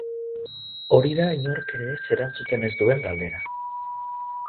Hori da inork ere ez erantzuten ez duen galdera.